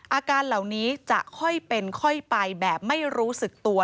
อาการเหล่านี้จะค่อยเป็นค่อยไปแบบไม่รู้สึกตัว